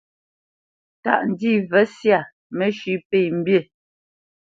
Tâʼ ndî mvə syâ mə́shʉ̄ pə̂ mbî.